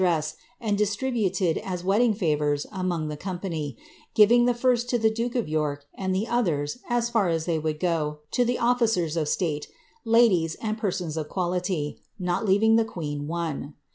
dress, and distributed as wedding favours among the company, giving the first to the duke of York, and the others, as far as they would go, to the officers of state, ladies, and persons of quality, not leaving £e queen one.'